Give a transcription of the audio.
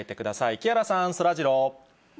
木原さん、そらジロー。